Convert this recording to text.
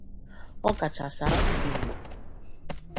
ọ kachasị asụsụ Igbo